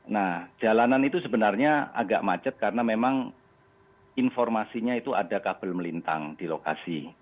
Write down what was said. nah jalanan itu sebenarnya agak macet karena memang informasinya itu ada kabel melintang di lokasi